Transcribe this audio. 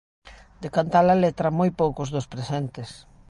De cantar a letra, moi poucos dos presentes.